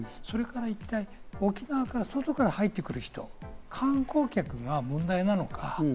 もう一点、沖縄の外から入ってくる方、観光客が問題なのか。